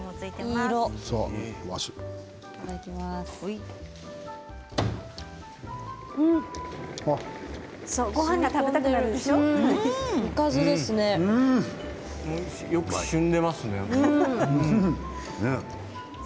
よくしみこんでいますね。